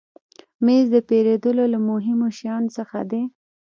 مېز د پیرودلو له مهمو شیانو څخه دی.